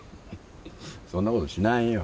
そんなことしないよ。